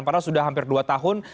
padahal sudah hampir dua tahun